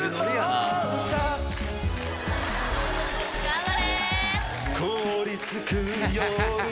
頑張れ。